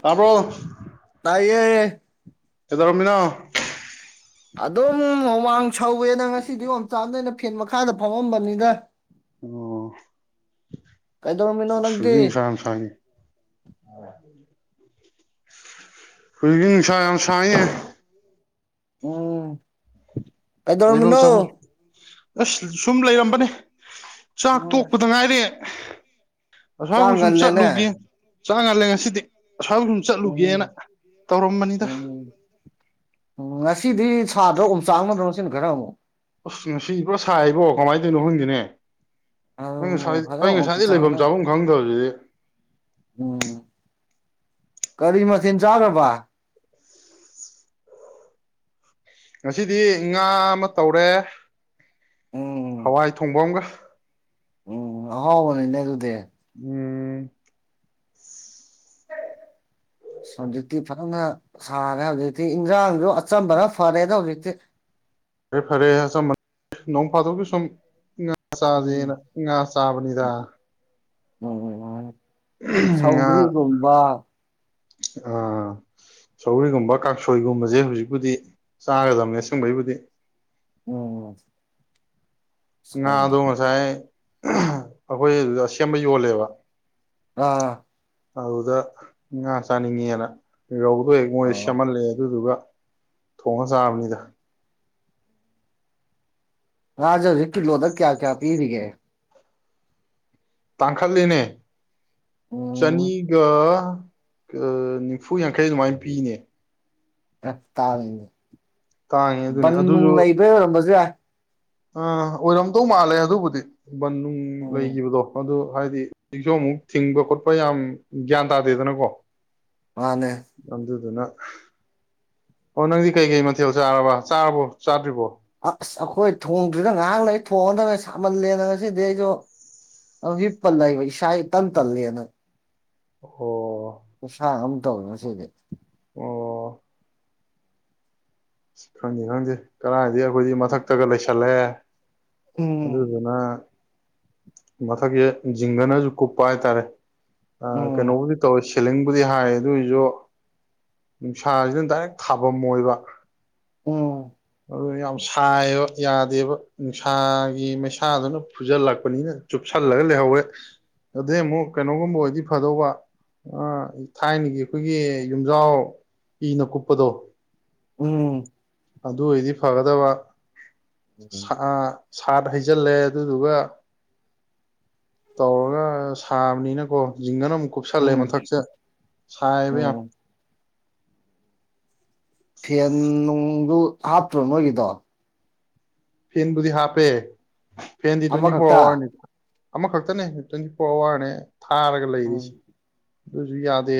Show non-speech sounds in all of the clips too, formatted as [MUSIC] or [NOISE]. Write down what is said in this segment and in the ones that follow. ꯇꯔꯕꯣ ꯍꯩꯌꯦ ꯑꯦꯗ ꯔꯝꯅꯥ ꯑꯗꯨ ꯑꯗꯨꯝꯃꯡ ꯁꯧꯋꯦꯅ ꯉꯁꯤꯗꯤ ꯌꯥꯝ ꯆꯥꯗꯩꯅ ꯀꯊꯦꯜ ꯃꯈꯥꯗ ꯐꯥꯎꯑꯝꯕꯅꯤꯗ ꯑꯣ ꯀꯩꯗꯧꯔꯝꯃꯤꯅꯣ ꯅꯪꯗꯤ ꯁꯤꯖꯤ ꯁ ꯁꯅꯤ ꯍꯧꯁ ꯌꯥꯝ ꯁꯏꯦ ꯎꯝ ꯂꯩꯐꯝ ꯀꯩꯗꯔꯃꯤꯅꯣ ꯆꯥꯐꯝ ꯑꯁ ꯁꯨꯝ ꯂꯩꯔꯝꯕꯅꯦ ꯆꯥꯛ ꯎꯝ ꯇꯣꯛꯄꯗ ꯉꯥꯏꯔꯦ ꯑꯁ꯭ꯋꯥꯏꯕꯨ ꯁꯨꯝ ꯆꯥꯡꯒꯜꯂꯦꯅꯦ ꯆꯠꯂꯨꯒꯦ ꯆ ꯉꯜꯂꯦ ꯉꯁꯤꯗꯤ ꯑꯁ꯭ꯋꯥꯏꯐꯥꯎ ꯁꯨꯝ ꯆꯠꯂꯨꯒꯦꯅ ꯎꯝ ꯇꯧꯔꯝꯕꯅꯤꯗ ꯎꯝ ꯎꯝ ꯉꯁꯤꯗꯤ ꯁꯥꯗ꯭ꯔ ꯑꯨꯝ ꯆꯥꯡꯅ ꯅꯁꯤ ꯔ ꯑꯃ ꯑꯁ ꯅꯨꯡꯁꯤꯕ꯭ꯔꯣ ꯁꯥꯏꯕ꯭ꯔꯣ ꯀꯃꯥꯏꯅ ꯇꯧꯔꯤꯅꯣ ꯍꯈꯪꯒꯤꯅꯦ ꯑꯩ ꯑꯗꯨꯅꯦ ꯉꯁꯥꯏ ꯐꯖꯅ ꯑꯩ ꯉꯁꯥꯏꯗꯤ ꯂꯩꯐꯝ ꯑꯣꯝꯆꯥꯛꯅꯩ ꯆꯥꯐꯝ ꯈꯪꯗꯕꯁꯤꯗꯤ ꯎꯝ ꯀꯔꯤ ꯃꯊ ꯆꯥꯕ ꯉꯁꯤꯗꯤ ꯉꯥ ꯑꯃ ꯇꯧꯔꯦ ꯎꯝ ꯍꯋꯥꯏ ꯊꯣꯡꯕ ꯑꯃꯒ ꯎꯝ ꯍꯥꯎꯕꯅꯤꯅꯦ ꯑꯗꯨꯗꯦ ꯎꯝ ꯍꯧꯖꯤꯛꯇꯤ ꯐꯖꯅ ꯁꯥꯔꯦ ꯍꯧꯖꯤꯛꯇꯤ ꯏꯟꯖꯥꯡꯁꯨ ꯑꯆꯝꯕꯅ ꯐꯔꯦꯗ ꯍꯧꯖꯤꯛꯇꯤ ꯐꯔꯦ ꯐꯔꯦ ꯅꯣꯡ ꯐꯥꯗꯣꯛꯒꯤ ꯁ ꯎꯝ ꯆꯥꯁꯦꯅ ꯉꯥ ꯆꯥꯕꯅꯤꯗ [UNINTELLIGIBLE] ꯁꯧꯒ꯭ꯔꯤꯒꯣꯕ ꯁꯧꯔꯤꯒꯨꯝꯕ ꯀꯥꯡꯁꯣꯏꯒꯨꯝꯕꯁꯦ ꯍꯧꯖꯤꯛꯄꯨꯗꯤ ꯆꯥꯒꯗꯝꯕꯅꯦ ꯑꯁꯪꯕꯩꯕꯨꯗꯤ ꯎꯝ ꯎꯝ ꯉꯅꯥ ꯑꯗꯨꯣ ꯃꯁꯥꯏꯥꯏ ꯑꯩꯈꯣꯏ ꯁꯦꯝꯕ ꯌꯣꯜꯂꯦꯕ ꯑꯥ ꯑꯗꯨꯗ ꯉꯥ ꯆꯥꯅꯤꯡꯉꯦꯅ ꯌꯧꯕ ꯑꯗꯨ ꯍ ꯃꯣꯏ ꯑꯣ ꯁꯦꯝꯃꯍꯜꯂꯑꯦ ꯑꯗꯨꯗꯨꯒ ꯊꯣꯡꯉ ꯆꯥꯕꯅꯤꯗ ꯔꯥꯖꯁꯤ ꯀꯂꯣꯗ ꯀꯌꯥ ꯀꯌꯥ ꯄꯤꯔꯤꯒꯦ ꯇꯥꯡꯈꯠꯂꯤꯅꯦ ꯎꯝ ꯆꯅꯤꯒ ꯅꯤꯝꯐꯨ ꯌꯥꯡꯈꯩ ꯑꯗꯨꯃꯥꯏꯅ ꯄꯤꯅꯦ ꯇꯥꯕ ꯇꯥꯡꯉꯦ ꯑꯗꯨꯅꯦ ꯟꯅꯅꯨꯡ ꯂꯩꯕꯔꯝꯕꯁꯥ ꯑ ꯑꯣꯏꯔꯝꯗꯧ ꯃꯥꯜꯂꯦ ꯑꯗꯨꯕꯨꯗꯤ ꯕꯟ ꯅꯨꯡ ꯎꯝ ꯂꯩꯈꯤꯕꯗꯣ ꯑꯗꯨ ꯍꯥꯏꯗꯤ ꯁꯤꯛꯁꯨ ꯑꯃꯨꯛ ꯊꯤꯡꯕ ꯈꯣꯠꯄ ꯌꯥꯝ ꯒ꯭ꯌꯥꯟ ꯇꯥꯗꯦꯗꯅꯀꯣ ꯃꯥꯅꯦ ꯉꯗꯗꯨꯅ ꯑꯣ ꯅꯪꯗꯤ ꯀꯩꯀꯩ ꯃꯊꯦꯜ ꯆꯥꯔꯕ ꯆꯥꯔꯕꯣ ꯆꯥꯗ꯭ꯔꯤꯕꯣ ꯑꯁ ꯑꯩꯈꯣꯏ ꯊꯣꯡꯗꯨ꯭ꯗ ꯉꯥꯏꯍꯥꯛ ꯂꯩ ꯐꯣꯟꯗꯒ ꯁꯥꯃꯜꯂꯦꯅ ꯉꯁꯤꯗꯤ ꯑꯩꯁꯨ ꯍꯤꯞꯄꯜ ꯂꯩꯕ ꯏꯁꯥ ꯇꯟ ꯇꯜꯂꯦꯅ ꯑꯣ ꯇꯧꯅ ꯁꯤꯗꯤ ꯈꯪꯅꯤ ꯈꯪꯗꯦ ꯀꯔꯗꯤ ꯑꯩꯈꯣꯏꯗꯤ ꯃꯊꯛꯇꯒ ꯂꯩꯁꯜꯂꯦ [INAUDIBLE] ꯎꯝ ꯑꯗꯨꯅ ꯃꯊꯛꯁ ꯖꯤꯡꯒꯅꯁꯨ ꯀꯨꯞꯄ ꯍꯥꯏꯇꯥꯔꯦ ꯑ ꯎꯝ ꯀꯩꯅꯣ ꯎꯗꯤ ꯇꯧ ꯁꯦꯂꯤꯡꯕꯨꯗꯤ ꯍꯥꯏ ꯑꯗꯨꯏꯁꯨ ꯅꯨꯡꯁꯥꯁꯤꯅ ꯗꯥꯏꯔꯦꯛ ꯊꯥꯐꯝ ꯑꯣꯏꯕ ꯑꯣ ꯑꯗꯨ ꯌꯥꯝ ꯁꯥꯏꯕ ꯌꯥꯗꯦꯕ ꯅꯨꯡꯁꯥꯒꯤ ꯃꯩꯁꯥꯗꯨꯅ ꯐꯨꯖꯜꯂꯛꯄꯅꯤꯅ ꯆꯨꯞꯁꯜꯂꯒ ꯂꯩꯍꯧꯋꯦ ꯑꯗꯨꯗꯩ ꯑꯃꯨꯛ ꯀꯩꯅꯣꯒꯨꯝꯕ ꯑꯣꯏꯗꯤ ꯐꯗꯧꯕ ꯊꯥꯏꯅꯒꯤ ꯑꯩꯈꯣꯏꯒꯤ ꯌꯨꯝꯖꯥꯎ ꯄꯤꯅ ꯀꯨꯞꯄꯗꯣ ꯎꯝ ꯑꯗꯨ ꯑꯣꯏꯔꯗꯤ ꯐꯒꯗꯕ ꯁꯥ ꯁꯥꯠ ꯍꯩꯖꯤꯜꯂꯦ ꯑꯗꯨꯗꯨꯒ ꯇꯧꯔꯒ ꯁꯥꯕꯅꯤꯅꯀꯣ ꯖꯤꯡꯒꯅ ꯑꯝ ꯀꯨꯞꯁꯜꯂꯦ ꯎꯝ ꯃꯊꯛꯁꯦ ꯁꯥꯏꯕ ꯌꯥꯝ ꯎꯝ ꯐꯦꯟ ꯅꯨꯡꯗꯨ ꯍꯥꯞꯇ꯭ꯔꯣ ꯅꯣꯏꯒꯤꯗꯣ ꯐꯤꯟꯕꯨꯗꯤ ꯍꯥꯞꯄꯦ ꯐꯦꯟꯗꯤ ꯇ꯭ꯋꯦꯟꯇꯤ ꯐꯣꯔ ꯑꯃꯈꯛꯇ ꯑꯋꯥꯔꯅꯤ ꯑꯃꯈꯛꯇꯅꯦ ꯇ꯭ꯋꯦꯟꯇꯤ ꯐꯣꯔ ꯑꯋꯥꯔꯅꯦ ꯊꯥꯔꯒ ꯎꯝ ꯂꯩꯔꯤꯁꯤ ꯑꯗꯨꯁꯨ ꯌꯥꯗꯦ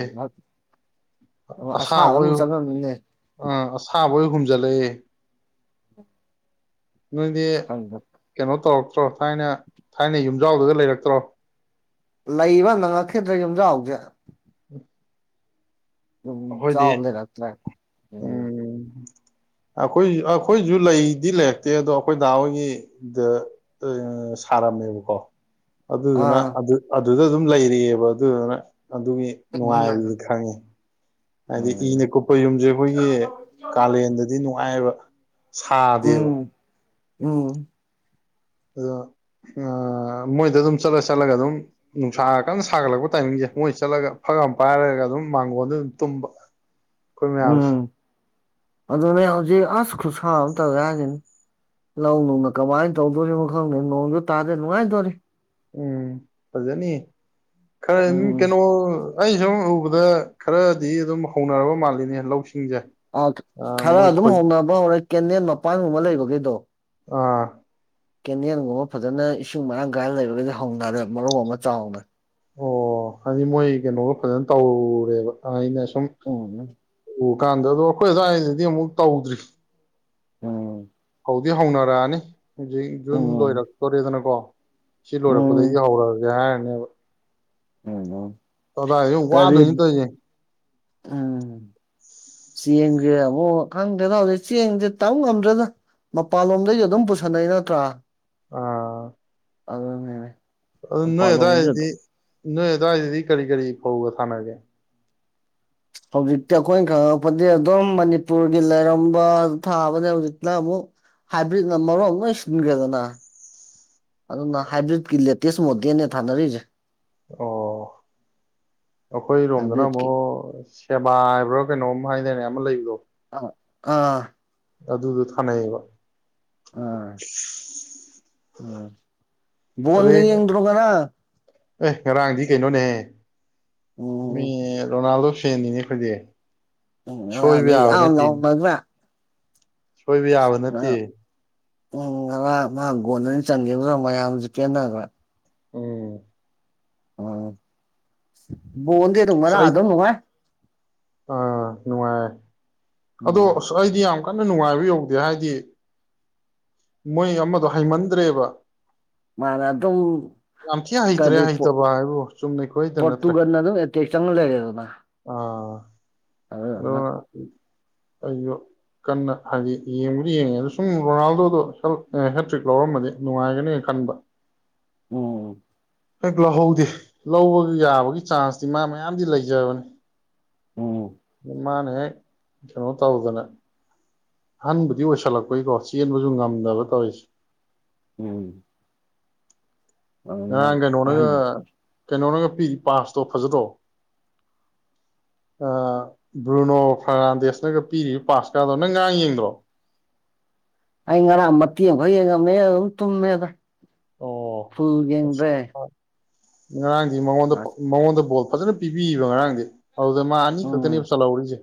ꯑꯁꯥꯕ ꯑꯣꯏ ꯑꯃꯨꯛ ꯆꯪꯉꯝꯅꯤꯅꯦ ꯑꯝ ꯁꯥꯕ ꯑꯣꯏ ꯍꯨꯝꯖꯤꯜꯂꯛꯑꯦ ꯅꯣꯏꯗꯤ ꯈꯪꯗꯦ ꯀꯩꯅꯣ ꯇꯧꯔꯛꯄ ꯭ꯔ ꯊꯥꯏꯅ ꯊꯥꯏꯅ ꯌꯨꯝꯖꯥꯎꯗꯨꯒ ꯂꯩꯔꯛꯇ꯭ꯔꯣ ꯂꯩꯕ ꯅꯪꯉꯛꯈꯤꯗ꯭ꯔ ꯌꯨꯝꯖ ꯖꯦ [UNINTELLIGIBLE] ꯑꯩꯈꯣꯏꯗꯤ ꯆꯥꯎ ꯂꯩꯔꯛꯇ꯭ꯔꯦ ꯑꯩꯈꯣꯏꯁꯨ ꯑꯩꯈꯣꯏꯁꯨ ꯂꯩꯗꯤ ꯂꯩꯔꯛꯇꯦ ꯑꯗꯣ ꯑꯩꯈꯣꯏ ꯗꯥꯍ ꯍꯣꯏꯒꯤꯗ ꯁꯥꯔꯝꯃꯦꯕꯀꯣ ꯑꯗꯨꯅ ꯑꯥ ꯑꯗꯨ ꯑꯗꯨꯗ ꯑꯗꯨꯝ ꯂꯩꯔꯤꯑꯕ ꯑꯗꯨꯗꯨꯅ ꯑꯗꯨꯒꯤ ꯅꯨꯡꯉꯥꯏꯕꯗꯤ ꯈꯧꯉꯤ ꯍꯥꯏꯗꯤ ꯏꯅ ꯀꯨꯞꯄ ꯌꯨꯝꯁꯦ ꯑꯩꯈꯣꯏꯒꯤ ꯀꯥꯂꯦꯟꯗꯗꯤ ꯅꯨꯡꯉꯥꯏ ꯍꯥꯏꯕ ꯎꯝ ꯁꯥꯗꯦꯕ ꯎꯝ ꯎꯝ ꯑꯗꯣ ꯃꯣꯏꯗ ꯑꯗꯨꯝ ꯆꯠꯂ ꯆꯠꯂꯒ ꯑꯗꯨꯝ ꯅꯨꯡꯁꯥ ꯀꯟꯅ ꯁꯥꯒꯠꯂꯛꯄ ꯇꯥꯏꯃꯤꯡꯁꯦ ꯃꯣꯏ ꯆꯠꯂꯒ ꯐꯒ ꯑꯃ ꯄꯥꯏꯔꯒ ꯑꯗꯨꯝ ꯃꯥꯡꯒꯣꯟꯜꯗ ꯑꯗꯨꯝ ꯇꯨꯝꯕ ꯑꯩꯈꯣꯏ ꯃꯌꯥꯝꯁꯦ ꯎꯝ ꯑꯗꯨꯅꯦ ꯍꯧꯖꯤꯛ ꯑꯁ ꯈꯨꯁꯥ ꯑꯃ ꯇꯧꯋꯦ ꯍꯥꯏꯁꯅꯤ ꯂꯧ ꯅꯨꯡꯅ ꯀꯃꯥꯏꯅ ꯇꯧꯗꯣꯔꯤꯅꯣ ꯈꯪꯗ ꯅꯣꯡꯗ ꯇꯥꯗ ꯅꯨꯡꯉꯥꯏꯗꯣꯔꯤ ꯎꯝ ꯐꯖꯅꯤ ꯈꯔ ꯎꯝ ꯀꯩꯅꯣ ꯑꯩ ꯁꯨꯝ ꯎꯕꯗ ꯈꯔꯗꯤ ꯑꯗꯨꯝ ꯍꯧꯅꯔꯕ ꯃꯥꯜꯂꯤꯅꯦ ꯂꯧꯁꯤ ꯑ ꯈꯔ ꯑꯗꯨꯝ ꯍꯧꯅꯕ ꯍꯧꯔꯦ ꯀꯦꯗꯦꯟ ꯃꯄꯥꯟꯒꯨꯝꯕ ꯂꯩꯕꯈꯩꯗꯣ ꯑꯥ ꯀꯦꯗꯦꯜꯒꯨꯝꯕ ꯐꯖꯅ ꯏꯁꯤꯡ ꯃꯔꯥꯡ ꯀꯥꯏꯅ ꯂꯩꯔꯒꯗꯤ ꯍꯧꯅꯔꯦ ꯃꯔꯧ ꯑꯃ ꯆꯥꯎꯅꯦ ꯑꯣ ꯍꯥꯏꯗꯤ ꯃꯣꯏ ꯀꯩꯅꯣꯒ ꯐꯖꯅ ꯇꯧꯔꯦꯕ ꯑꯩꯅ ꯁ ꯎꯝ ꯎ ꯀꯥꯟꯗ ꯑꯗꯣ ꯑꯩꯈꯣꯏ ꯑ꯭ꯋꯥꯏꯗꯗꯤ ꯑꯃꯨꯛ ꯇꯧꯗ꯭ꯔꯤ ꯎꯝ ꯍꯥꯎꯗꯤ ꯍꯥꯎꯅꯔꯥꯅꯤ ꯍꯧꯖꯤꯛ ꯖꯨꯟ ꯎꯝ ꯂꯣꯏꯔꯛꯇꯣꯔꯦꯗꯅꯀꯣ ꯁꯤ ꯎꯝ ꯂꯣꯏꯔꯛꯄꯗꯗꯒꯤ ꯍꯧꯔꯛꯑꯒꯦ ꯍꯥꯏ ꯕ ꯎꯝ ꯀꯗꯥ ꯀꯔꯤ ꯋꯥꯗ ꯇꯁꯦ ꯎꯝ ꯆꯦꯡꯁꯦ ꯑꯃꯨꯛ ꯈꯪꯗꯦꯅ ꯍꯧꯖꯤꯛ ꯆꯦꯡꯁꯦ ꯇꯧ ꯉꯝꯗ꯭ꯔꯅ ꯃꯄꯥꯟꯂꯣꯝꯗꯩꯁꯨ ꯑꯗꯨꯝ ꯄꯨꯁꯟꯅꯩ ꯅꯠꯇ꯭ꯔꯥ ꯑꯥ ꯑꯗꯨ ꯃꯅꯦ ꯑꯗꯨ ꯅꯣꯏꯗꯥ ꯍꯥꯏꯗꯤ ꯅꯣꯏꯗꯥ ꯍꯥꯏꯗꯤ ꯀꯔꯤ ꯀꯔꯤ ꯐꯧꯒ ꯊꯥꯅꯒꯦ ꯍꯧꯖꯤꯛꯇꯤ ꯑꯩꯈꯣꯏꯅ ꯈꯪꯛꯄꯗꯤ ꯑꯗꯨꯝ ꯃꯅꯤꯄꯨꯔꯒꯤ ꯂꯩꯔꯝꯕ ꯊꯥꯕꯅꯦ ꯍꯧꯖꯤꯛꯇꯛꯅ ꯑꯃꯨꯛ ꯍꯥꯏꯕ꯭ꯔꯤꯠꯅ ꯃꯔꯣ ꯂꯣꯏ ꯁꯤꯟꯈ꯭ꯔꯦꯗꯅ ꯑꯗꯨꯅ ꯍꯥꯏꯕ꯭ꯔꯤꯠꯀꯤ ꯂꯦꯇꯦꯁ ꯃꯣꯗꯦꯟꯅ ꯊꯥꯅꯔꯤꯁꯦ ꯑꯣ ꯑꯩꯈꯣꯏꯔꯣꯝꯗꯅ ꯍꯥꯏꯕ꯭ꯔꯤꯠꯀꯤ ꯑꯃꯨꯛ ꯁꯦꯕꯥ ꯍꯥꯏꯕ꯭ꯔꯥ ꯀꯩꯅꯣꯝ ꯍꯥꯏꯗꯅꯦ ꯂꯩꯒꯣ ꯑ ꯑꯥ ꯑꯗꯨꯗꯣ ꯊꯥꯅꯩꯌꯦꯕ [INAUDIBLE] ꯑꯥ ꯎꯝ ꯑꯗꯩ ꯕꯣꯟꯒꯤ ꯌꯦꯡꯗꯔꯣꯛꯀ ꯑꯦ ꯉꯔꯥꯡꯗꯤ ꯀꯩꯅꯣꯅꯦꯍꯦ ꯃꯤ ꯎꯝ ꯔꯣꯅꯥꯜꯗꯣ ꯐꯦꯟꯅꯤꯅꯦ ꯑꯩꯈꯣꯏꯗ ꯎ ꯑꯗꯨ ꯌꯥ ꯁꯣꯏꯕ ꯌꯥꯕ ꯅꯠꯇꯦ ꯎꯝ ꯉ ꯃꯥ ꯒꯣꯟꯅꯅꯤ ꯆꯪꯈꯤꯕꯗ ꯃꯌꯥꯝꯁꯨ ꯀꯦꯟꯅꯈ꯭ꯔꯥ ꯑꯣꯝ ꯎꯝ ꯣꯡꯗꯦ ꯇꯃꯅꯥ ꯑꯁ ꯑꯩ ꯑꯗꯨꯣꯅꯅꯨꯡꯉ ꯑꯥ ꯅꯉꯥꯏ ꯑꯗꯣ ꯎꯝ ꯑꯩꯗꯤ ꯌꯥꯝ ꯀꯟꯅ ꯅꯨꯡꯉꯥꯏꯕ ꯌꯧꯗꯦ ꯍꯥꯏꯗꯤ ꯃꯣꯏ ꯑꯃꯗꯣ ꯍꯩꯃꯟꯗ꯭ꯔꯦꯕ ꯃꯥꯅ ꯑꯗꯨꯝ ꯌꯥꯝ ꯊꯤ ꯍꯩꯇ꯭ꯔꯦ ꯀꯔꯤ ꯄꯠ ꯍꯩꯇꯕ ꯍꯥꯏꯕꯨ ꯆꯨꯝꯅꯩ ꯈꯨꯍꯩꯇ ꯅꯠꯇ꯭ꯔꯦ ꯄꯣꯠꯇꯨꯒꯅ ꯑꯗꯨꯝ ꯑꯦꯦꯛ ꯆꯪ ꯂꯩꯔꯦ ꯑꯗꯨꯅ ꯑꯗꯣ ꯑꯩꯁꯨ ꯀꯟꯅ ꯍꯥꯏꯗꯤ ꯌꯦꯡꯕꯗꯤ ꯌꯦꯡꯉꯦ ꯑꯗꯣ ꯁꯨꯝ ꯔꯣꯅꯥꯜꯗꯣꯗꯣ ꯍꯦꯇ꯭ꯔꯤꯛ ꯂꯧꯔꯝꯃꯗꯤ ꯅꯨꯡꯉꯥꯏꯒꯅꯦ ꯈꯟꯕ ꯎꯝ ꯍꯦꯛ ꯂꯧꯍꯧꯗꯦ ꯂꯧꯕ ꯌꯥꯕꯒꯤ ꯆꯥꯟꯁꯇꯤ ꯃꯥ ꯃꯌꯥꯝꯗꯤ ꯂꯩꯖꯕꯅꯤ ꯎꯝ ꯃꯥꯅ ꯍꯦꯛ ꯀꯩꯅꯣ ꯇꯧꯗꯅ ꯑꯍꯟꯕꯨꯗꯤ ꯑꯣꯏꯁꯜꯂꯛꯄꯩꯀꯣ ꯆꯦꯟꯕꯁꯨ ꯉꯝꯗꯕ ꯇꯧꯔꯤꯁꯦ ꯎꯝ ꯑ ꯑꯗꯨꯅ ꯀꯩꯅꯣꯅꯒ ꯑꯩ ꯀꯩꯅꯣꯅꯒ ꯄꯤ ꯄꯥꯁꯇꯣ ꯐꯖꯔꯣ ꯕ꯭ꯔꯨꯅꯣ ꯐꯥꯔꯅꯥꯟꯗꯦꯁꯅꯒ ꯄꯤꯔꯤꯕ ꯄꯥꯁꯀꯥꯗꯣ ꯅꯪ ꯉꯔꯥꯡ ꯌꯦꯡꯗ꯭ꯔꯣ ꯑꯩ ꯉꯔꯥꯡ ꯃꯇꯦꯡ ꯑꯃꯈꯛ ꯌꯦꯡꯉꯝꯃꯦ ꯑꯗꯨꯝ ꯇꯨꯝꯃꯦꯗ ꯐꯨꯒꯡꯗ꯭ꯔꯦ ꯉꯥꯔꯥꯡꯑ ꯃꯗ ꯃ ꯃꯥꯑꯣꯗ ꯣꯜ ꯄ ꯆꯅꯦ ꯄꯤꯕꯤꯕ ꯉꯔꯥꯡꯗꯤ ꯑꯗꯨꯗ ꯃꯥ ꯑꯅꯤ ꯈꯛꯇꯅꯦ ꯎꯝ ꯆꯜꯍꯧꯔꯤꯁꯦ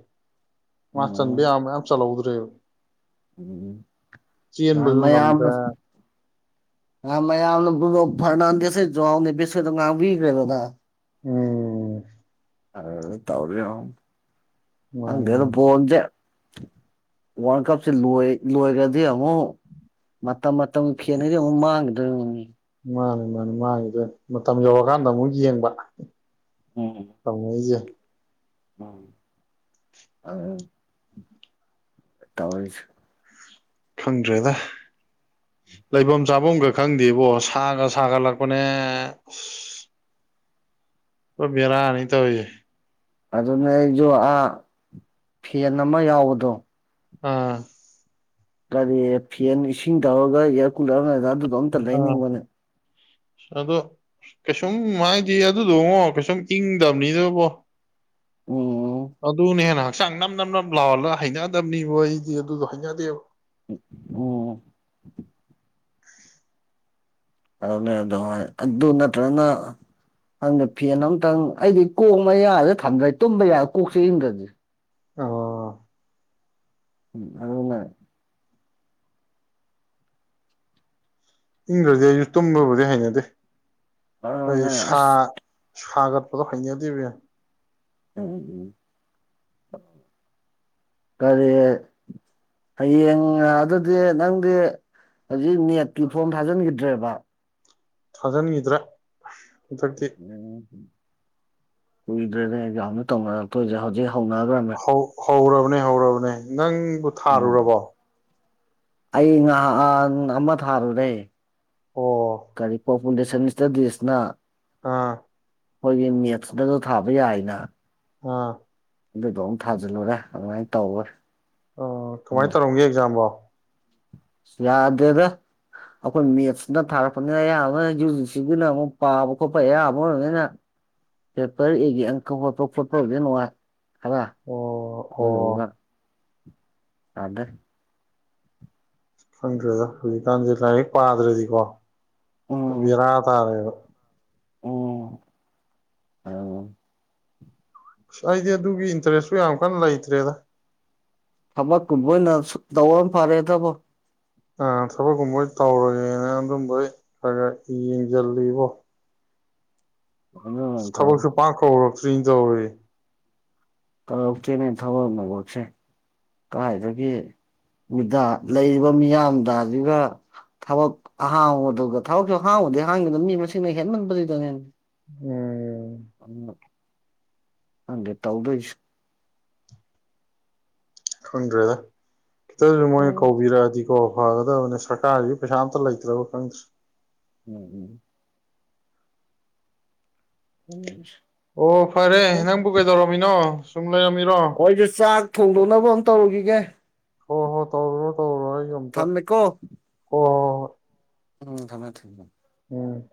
ꯃꯥ ꯆꯟꯗꯦ ꯌꯥꯝ ꯃꯌꯥꯝ ꯆꯜꯍꯧꯗ꯭ꯔ ꯇ꯭ꯔ ꯎꯝꯃ ꯃꯌꯥꯝ ꯉꯝꯗ꯭ꯔꯦ ꯑꯃꯅ ꯔꯅꯗꯤꯁꯦꯁꯨꯣꯅꯤ ꯦꯁꯗ ꯉ ꯕꯤ ꯀꯗ ꯎꯝ ꯑ ꯇꯧꯔ ꯑꯦ ꯃꯥꯅꯤ ꯑꯗꯨ ꯃꯥꯅꯤ ꯄꯗꯦ ꯋꯥꯔꯜ ꯀꯞꯁꯦ ꯂꯣꯏꯈ꯭ꯔꯗꯤ ꯑꯃꯨꯛ ꯃꯇꯝ ꯃꯇꯝ ꯐꯦꯅꯗꯤ ꯑꯃꯨꯛ ꯃꯥꯡꯒꯗꯧꯔꯤꯕꯅꯤ ꯃꯥꯅꯤ ꯃꯥꯅꯤ ꯃꯥꯅꯤꯗ ꯃꯇꯝ ꯌꯧꯔꯀꯥꯟꯗ ꯑꯃꯨꯛ ꯌꯦꯡꯕ ꯎꯝ ꯀꯉꯖ ꯎꯝ ꯑ ꯇꯧ ꯈꯪꯗ꯭ꯔꯦꯗ ꯂꯩꯐꯝ ꯆꯥꯐꯝꯒ ꯈꯪꯗꯦꯕꯣ ꯁꯥꯒ ꯁꯥꯒꯠꯂꯛꯄꯅꯦ ꯑꯁ ꯑ ꯃꯔꯅꯤ ꯇ ꯍꯁꯦ ꯑꯗꯨꯅꯦ ꯑꯩꯁꯨ ꯑꯥ ꯐꯦꯟ ꯑꯃ ꯌꯥꯎꯕꯗꯣ ꯑꯥ ꯀꯔꯤ ꯐꯤ ꯁꯤꯁꯤꯡꯗꯒ ꯑꯦꯔ ꯀꯨꯂꯔ ꯣ ꯇꯗ ꯑꯥ ꯏꯅꯤꯡ ꯃꯅꯦ ꯑꯗꯣ ꯀꯩꯁꯨꯝ ꯍꯥꯏꯗꯤ ꯑꯗꯨꯗꯉꯣ ꯀꯩꯁꯨꯝ ꯏꯪꯗꯕꯅꯤꯗꯕꯕꯣ ꯎꯝ ꯑꯗꯨ ꯑꯗꯨ ꯅꯦꯅ ꯍꯛꯆꯥꯡ ꯅꯝ ꯅꯝ ꯅꯝ ꯂꯥꯎꯑꯣꯜꯂ ꯍꯩꯅꯗꯕꯅꯤꯕ ꯑꯩꯗꯤ ꯑꯗꯨꯗꯣ ꯍꯩꯅꯗꯦꯕ ꯑꯣꯝ ꯑꯗꯨꯅꯦ ꯑꯗꯨ ꯑꯗꯨ ꯅꯠꯇ꯭ꯔꯒꯅ ꯍꯪꯅ ꯐꯦꯟ ꯑꯝꯇꯪ ꯑꯩꯗꯤ ꯀꯣꯛ ꯑꯃ ꯌꯥꯗ ꯊꯝꯗ꯭ꯔꯦ ꯇꯨꯝꯕ ꯌꯥꯏꯔ ꯀꯣꯛꯁꯦ ꯌꯪꯗ꯭ꯔꯗꯤ ꯑꯣ ꯎꯝ ꯑꯗꯨꯂ ꯏꯪꯈ꯭ꯔꯗꯤ ꯑꯩꯁꯨ ꯇꯨꯝꯂꯕꯨꯗꯤ ꯍꯩꯅꯗꯦ ꯑ ꯑꯁ ꯁꯈꯥꯒꯠ ꯄꯠꯇ ꯈꯩꯅꯤꯗꯤꯕꯤ ꯎꯝ ꯎꯝ ꯀꯔꯤ ꯍꯌꯦꯡ ꯑꯗꯨꯗꯤ ꯅꯪꯗꯤ ꯍꯧꯖꯤꯛ ꯅꯦꯠꯀꯤ ꯐꯣꯝ ꯊꯥꯖꯤꯟꯈꯤꯗ꯭ꯔꯦꯕ ꯊꯖꯅꯒꯈꯤꯗ꯭ꯔꯥ ꯎꯝ ꯀꯣꯏꯗ꯭ꯔꯦꯗ ꯌꯥꯝꯅꯦ ꯇꯖꯤ ꯍꯧꯖꯤꯦ ꯊꯥꯎꯅꯥꯒ꯭ꯔꯝꯅ ꯍꯧ ꯍꯧꯔꯕꯅꯦ ꯍꯧꯔꯕꯅꯦ ꯅꯪ ꯕꯨ ꯎꯝ ꯊꯥꯔꯨꯔꯕꯣ ꯑꯩ ꯉꯍꯥꯛ ꯑꯃ ꯊꯥꯔꯨꯔꯦ ꯑꯣ ꯀꯔꯤꯄ ꯄꯨꯁ ꯃꯤꯁꯇꯗꯁꯅ ꯑꯥ ꯑꯩꯈꯣꯏꯒꯤ ꯃꯦꯠꯁꯇꯁꯨ ꯊꯥꯕ ꯌꯥꯏꯅ ꯑꯥ ꯑꯗꯨꯗꯣ ꯑꯃꯝ ꯊꯥꯖꯤꯜꯂꯨꯔꯦ ꯑꯗꯨꯃꯥꯏꯅ ꯇꯧꯔꯣꯏ ꯑ ꯀꯃꯥꯏꯅ ꯇꯧꯔꯝꯒꯦ ꯑꯦꯛꯖꯥꯝꯝꯕꯣ ꯌꯥꯗꯦꯗ ꯑꯩꯈꯣꯏ ꯃꯦꯠꯁꯅ ꯊꯥꯔꯛꯄꯅꯤꯅ ꯑꯌꯥꯝꯕꯅ ꯌꯨ ꯖꯤꯁꯤꯒꯤꯅ ꯑꯃꯨꯛ ꯄꯥꯕ ꯈꯣꯠꯄ ꯑꯌꯥꯝꯕ ꯑꯣꯏꯕꯅꯤꯅ ꯄꯦꯄꯔ ꯑꯦꯒꯤ ꯑꯪꯀꯛ ꯈꯣꯠꯄ ꯈꯣꯠꯄꯗꯤ ꯅꯨꯡꯉꯥꯏ ꯑꯕ ꯑꯣ ꯑꯗꯨ ꯑꯣ ꯑꯣꯏꯃ ꯑꯗ ꯈꯪꯗ꯭ꯔꯦꯗ ꯍꯧꯖꯤꯛꯀꯥꯟꯁꯦ ꯂꯥꯏꯔꯤꯛ ꯄꯥꯗ꯭ꯔꯗꯤꯀꯣ ꯔꯥ ꯇꯥꯔꯦ ꯑꯣ ꯑ ꯑ ꯑꯩꯗꯤ ꯑꯗꯨꯒꯤ ꯏꯟꯇꯔꯦꯁꯁꯨ ꯌꯥꯝ ꯀꯟꯅ ꯂꯩꯇ꯭ꯔꯦꯗ ꯊꯕꯛ ꯀꯨꯝꯕꯅ ꯇꯧꯔ ꯐꯔꯦ ꯊꯕꯛ ꯑ ꯊꯕꯛꯀꯨꯝꯕꯣꯏ ꯇꯧꯔꯒꯦꯅ ꯑꯗꯨꯝꯕꯣꯏ ꯈ ꯌꯦꯡꯁꯤꯜꯂꯤꯕꯣ ꯑꯗꯨꯅ ꯐꯔꯦ ꯊꯁꯨ ꯄꯥꯛ ꯈꯔ ꯀꯇ꯭ꯔꯤ ꯇꯧꯋꯦ ꯇꯧꯔꯧꯛꯇꯦꯅꯦ ꯊꯕꯛ ꯃꯕꯛꯁꯦ ꯀꯥꯏꯗꯒꯤ ꯃꯤꯗ ꯂꯩꯔꯤꯕ ꯃꯤꯌꯥꯝꯗ ꯑꯗꯨꯒꯒ ꯊꯕꯛ ꯑꯍꯥꯡꯕꯗꯨꯒ ꯊꯕꯛꯁꯨ ꯑꯍꯥꯡꯕꯗꯤ ꯍꯥꯡꯒꯗꯅ ꯃꯤ ꯃꯁꯤꯡꯅ ꯍꯦꯟꯃꯟꯕꯗꯨꯗꯅꯦ ꯎꯝ ꯎ ꯍꯪꯒꯦ ꯇꯥꯎꯗꯁ ꯊ꯭ꯔꯗ ꯈꯤꯇꯪꯁꯨ ꯃꯣꯏꯅ ꯀꯧꯕꯤꯔꯛꯑꯗꯤꯀꯣ ꯐꯒꯗꯕꯅꯦ ꯁꯔꯀꯥꯔꯒꯤ ꯄꯩꯁꯥ ꯑꯝꯇ ꯂꯩꯇ꯭ꯔꯕ ꯈꯪꯗ꯭ꯔꯦ ꯎꯝ ꯎꯝ ꯎꯝ ꯑꯣ ꯐꯔꯦ ꯅꯪꯕꯨ ꯀꯩꯗꯧꯔꯝꯃꯤꯅꯣ ꯁꯨꯝ ꯂꯩꯔꯝꯃꯤꯔꯣ ꯍꯣꯏꯁꯨ ꯆꯥꯛ ꯊꯣꯡꯗꯣꯛꯅꯕ ꯑꯃꯨ ꯇꯧꯔꯨꯈꯤꯒꯦ ꯍ ꯍꯣ ꯇꯧꯔꯣ ꯇꯧꯔꯣ ꯗ ꯊꯝꯃꯦꯀꯣ ꯑꯣ ꯍ ꯎꯝ ꯊꯝꯃꯦ ꯊꯃꯦ ꯎꯝ